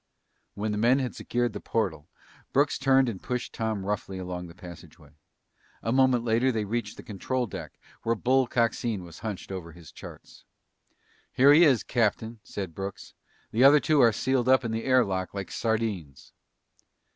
When the men had secured the portal, Brooks turned and pushed Tom roughly along the passageway. A moment later they reached the control deck where Bull Coxine was hunched over his charts. "Here he is, Captain," said Brooks. "The other two are sealed up in the air lock like sardines!"